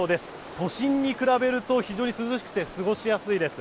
都心に比べると非常に涼しくて過ごしやすいです。